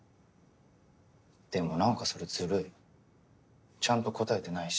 でも何かそれずるいちゃんと答えてないし。